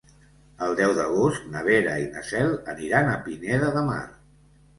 El deu d'agost na Vera i na Cel aniran a Pineda de Mar.